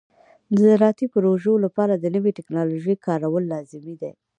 د زراعتي پروژو لپاره د نوې ټکنالوژۍ کارول لازمي دي.